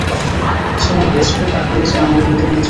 সে আমার best friend আর কলেজে আমাদের নেতাগিরি চলে।